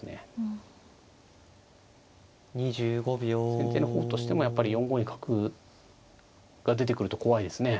先手の方としてもやっぱり４五に角が出てくると怖いですね。